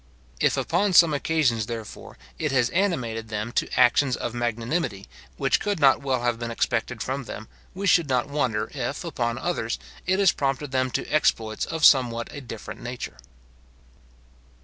If upon some occasions, therefore, it has animated them to actions of magnanimity which could not well have been expected from them, we should not wonder if, upon others, it has prompted them to exploits of somewhat a different nature.